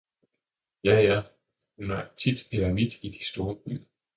Ja, ja hun er tit eremit i de store byer